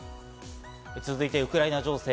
続いてウクライナ情勢。